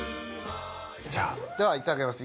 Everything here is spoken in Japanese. じゃあではいただきます